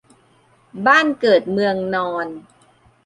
บ้านเกิดเมืองนอน